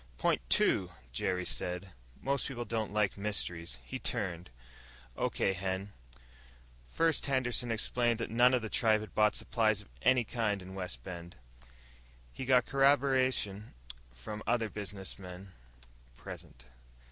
"Point two," Jerry said, "most people don't like mysteries." He turned. "Okay, Hen." First Henderson explained that none of the tribe had bought supplies of any kind in Wide Bend. He got corroboration from other businessmen present.